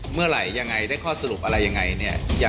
เมื่อไหร่ยังไงได้ข้อสรุปอะไรยังไงเนี่ย